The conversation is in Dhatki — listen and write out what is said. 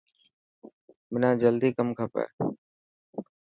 منان جلدي ڪم کپي.